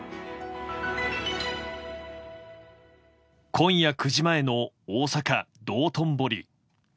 今夜９時前の大阪・道頓堀。